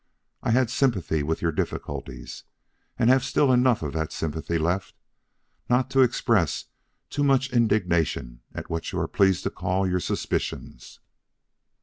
I had sympathy with your difficulties, and have still enough of that sympathy left, not to express too much indignation at what you are pleased to call your suspicions.